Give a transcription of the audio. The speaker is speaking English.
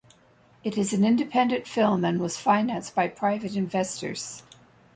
It is an independent film and was financed by private investors.